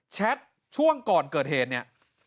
แชทช่วงก่อนเกิดเหตุนี้